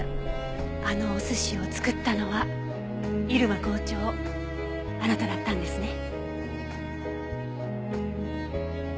あのお寿司を作ったのは入間校長あなただったんですね。